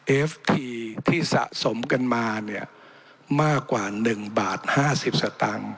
เอฟทีที่สะสมกันมาเนี่ยมากกว่าหนึ่งบาทห้าสิบสตังค์